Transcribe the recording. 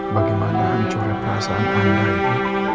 bagaimana hancurin perasaan anda itu